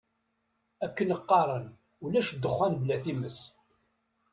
Akken qqaren ulac ddexxan bla times.